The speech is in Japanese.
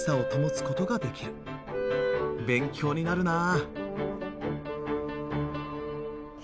勉強になるなあ！